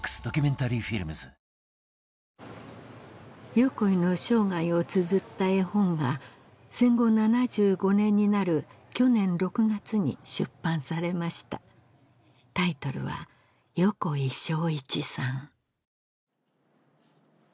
横井の生涯をつづった絵本が戦後７５年になる去年６月に出版されましたタイトルは「よこいしょういちさん」